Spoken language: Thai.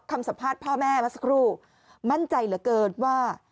คำสัมภาษณ์พ่อแม่มาสักครู่มั่นใจเหลือเกินว่า